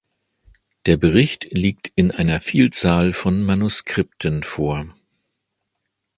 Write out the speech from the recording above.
Der Bericht liegt in einer Vielzahl von Manuskripten vor.